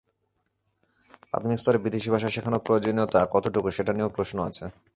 প্রাথমিক স্তরে বিদেশি ভাষা শেখানোর প্রয়োজনীয়তা কতটুকু, সেটা নিয়েও প্রশ্ন আছে।